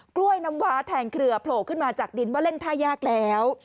กล้วยน้ำว้าแทงเครือโผล่ขึ้นมาจากดินว่าเล่นท่ายากแล้ว